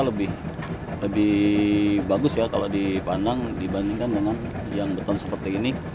lebih bagus ya kalau dipandang dibandingkan dengan yang beton seperti ini